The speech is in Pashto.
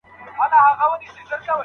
اقتصاد د هیواد د ملا تیر دی.